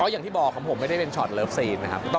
อย่างที่บอกของผมไม่ได้เป็นช็อตเลิฟซีนนะครับ